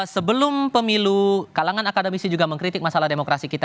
sebelum pemilu kalangan akademisi juga mengkritik masalah demokrasi kita